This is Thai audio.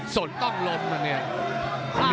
สนต้องล้มนะเนี่ย